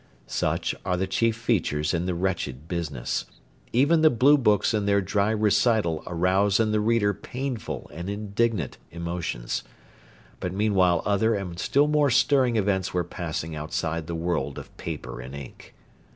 Such are the chief features in the wretched business. Even the Blue books in their dry recital arouse in the reader painful and indignant emotions. But meanwhile other and still more stirring events were passing outside the world of paper and ink.